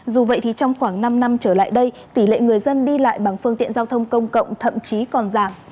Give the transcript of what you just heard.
dù vậy thì trong khoảng năm năm trở lại đây tỷ lệ người dân đi lại bằng phương tiện giao thông công cộng thậm chí còn giảm